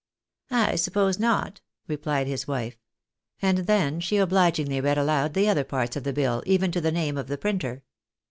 " I suppose not," replied his wife. And then she obhgingly read aloud the other parts of the bill, even to the name of the printer.